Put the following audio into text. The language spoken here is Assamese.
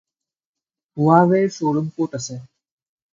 হুৱাৱে’ৰ শ্ব’ৰুম ক’ত আছে?